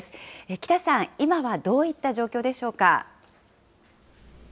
喜多さん、今はどういった状況でしょうか。